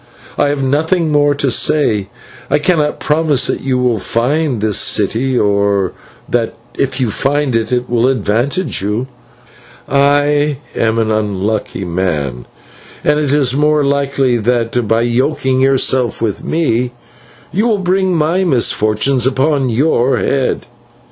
I have nothing more to say. I cannot promise that you will find this City, or that, if you find it, it will advantage you. I am an unlucky man, and it is more likely that, by yoking yourself with me, you will bring my misfortunes upon your head.